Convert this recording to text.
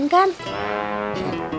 kamu gak pacaran kan